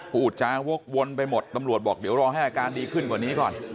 พูดจาวกวนไปหมดตำรวจบอกเดี๋ยวรอให้อาการดีขึ้นกว่านี้ก่อน